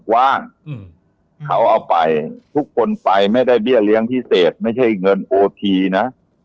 ว่างเขาเอาไปทุกคนไปไม่ได้เบี้ยเลี้ยงพิเศษไม่ใช่เงินโอทีนะ